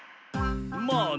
まあね。